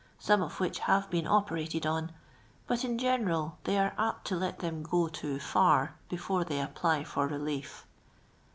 some of which have he»>n operated on ; but, in general, tliey are ap* t'» let them jid too far before they apply f'»r r.li f.